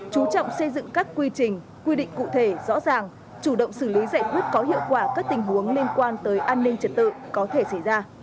chú trọng xây dựng các quy trình quy định cụ thể rõ ràng chủ động xử lý giải quyết có hiệu quả các tình huống liên quan tới an ninh trật tự có thể xảy ra